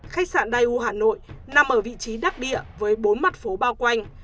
khách sạn dai u hà nội nằm ở vị trí đắc địa với bốn mặt phố bao quanh